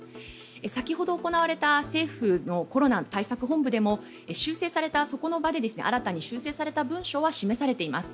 先ほど行われた政府のコロナ対策本部でも修正されたそこの場で新たに修正された文書は示されています。